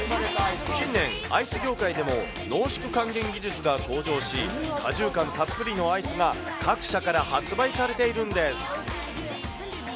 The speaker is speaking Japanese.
近年、アイス業界でも濃縮還元技術が向上し、果汁感たっぷりのアイスが各社から発売されているんです。